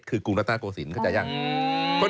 คือกรุงรัฐนาโกศิลปเข้าใจยัง